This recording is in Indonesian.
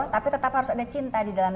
tapi tetap harus ada cinta di dalam